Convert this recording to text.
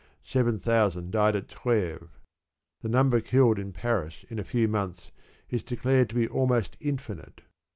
seven thousand died at Treves; the number killed in Paris in a few months is declared to have been "almost infinite."